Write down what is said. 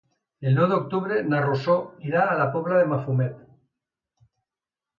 El nou d'octubre na Rosó irà a la Pobla de Mafumet.